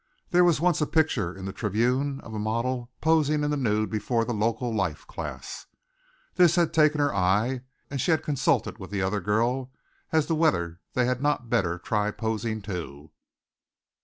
There was once a picture in the Tribune of a model posing in the nude before the local life class. This had taken her eye and she had consulted with the other girl as to whether they had not better try posing, too.